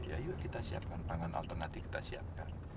ya yuk kita siapkan pangan alternatif kita siapkan